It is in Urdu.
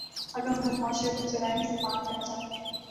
اگر حکومت معاشرے کو جرائم سے پاک کرنا چاہتی ہے۔